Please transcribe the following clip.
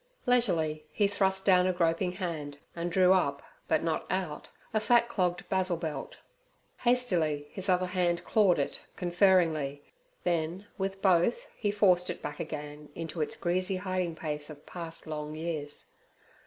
Leisurely he thrust down a groping hand and drew up, but not out, a fatclogged basil belt. Hastily his other hand clawed it conferringly, then with both he forced it back again into its greasy hidingplace of past long years.